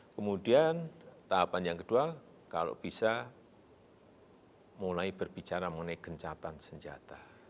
kemudian tahapan yang kedua kalau bisa mulai berbicara mengenai gencatan senjata